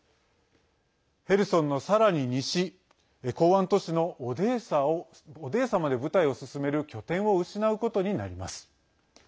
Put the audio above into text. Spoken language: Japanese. ヘルソンの、さらに西港湾都市のオデーサまで部隊を進める拠点を失うことになります。